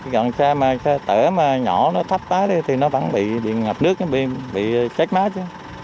còn xe tở nhỏ nó thấp thì nó vẫn bị ngập nước bị chết máy